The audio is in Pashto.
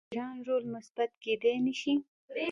آیا د ایران رول مثبت کیدی نشي؟